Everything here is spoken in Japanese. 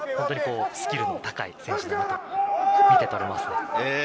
スキルの高い選手だなと見てとれます。